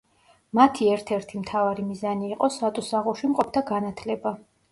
მათი ერთ-ერთი მთავარი მიზანი იყო სატუსაღოში მყოფთა განათლება.